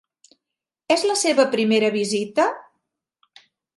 És la seva primera visita?